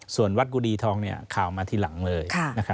ส่วนวัดกุดีทองข่าวมาทีหลังเลย